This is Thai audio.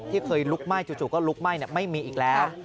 เคยลุกไหม้จู่ก็ลุกไหม้ไม่มีอีกแล้ว